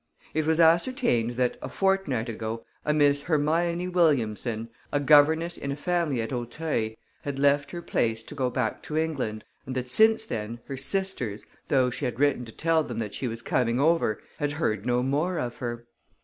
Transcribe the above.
It was ascertained that, a fortnight ago, a Miss Hermione Williamson, a governess in a family at Auteuil, had left her place to go back to England and that, since then, her sisters, though she had written to tell them that she was coming over, had heard no more of her.